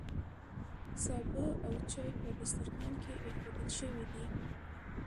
سابه او چای په دسترخوان کې ایښودل شوي دي.